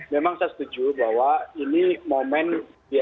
memang saya setuju bahwa ini momen